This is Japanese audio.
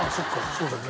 そうだよね。